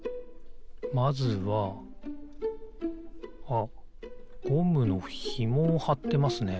あっゴムのひもをはってますね。